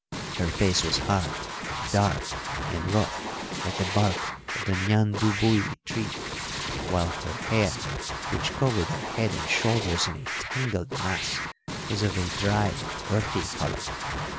Her face was hard, dark, and rough like the bark of the ñandubuy tree, while her hair, which covered her head and shoulders in a tangled mass, was of a dry, earthy colour.